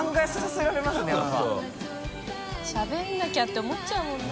覆澆舛腓僉しゃべんなきゃって思っちゃうもんな。